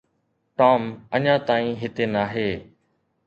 Tom اڃا تائين هتي ناهي.